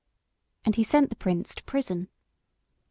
And he sent the prince to prison.